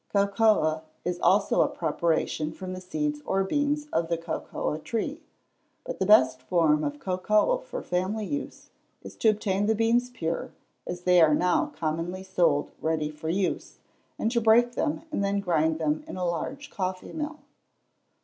_ Cocoa is also a preparation from the seeds or beans of the cocoa tree. But the best form of cocoa for family use is to obtain the beans pure, as they are now commonly sold ready for use, and to break them and then grind them in a large coffee mill.